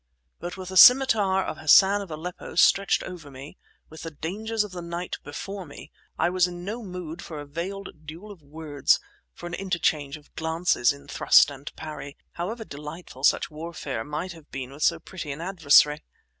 But with the scimitar of Hassan of Aleppo stretched over me, with the dangers of the night before me, I was in no mood for a veiled duel of words, for an interchange of glances in thrust and parry, however delightful such warfare might have been with so pretty an adversary.